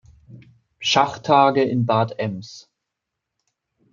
Schachtage" in Bad Ems.